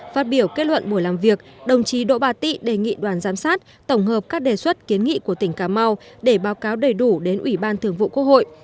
phát biểu kết luận buổi làm việc đồng chí đỗ bà tị đề nghị đoàn giám sát tổng hợp các đề xuất kiến nghị của tỉnh cà mau để báo cáo đầy đủ đến ủy ban thường vụ quốc hội